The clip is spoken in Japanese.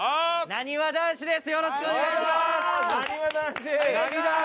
なにわ男子です。